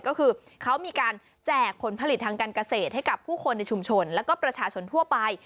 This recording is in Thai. ก็คือเขามีการแจกผลผลิตทางการเกษตรให้กับผู้คนในชุมชนแล้วก็ประชาชนทั่วไป